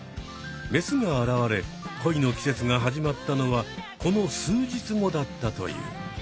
メスが現れ恋の季節が始まったのはこの数日後だったという。